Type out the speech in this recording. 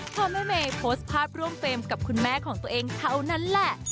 พอแม่เมย์โพสต์ภาพร่วมเฟรมกับคุณแม่ของตัวเองเท่านั้นแหละ